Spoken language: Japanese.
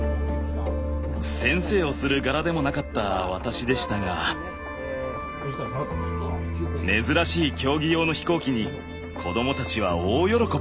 先生をする柄でもなかった私でしたが珍しい競技用の飛行機に子供たちは大喜び。